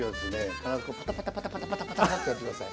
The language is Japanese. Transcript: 必ずこうパタパタパタパタパタパタってやって下さい。